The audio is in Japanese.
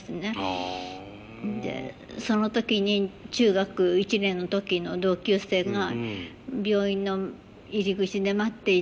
でその時に中学１年の時の同級生が病院の入り口で待っていて。